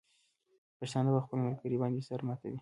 پښتانه په خپل ملګري باندې سر ماتوي.